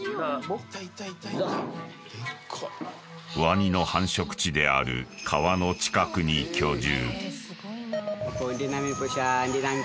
［ワニの繁殖地である川の近くに居住］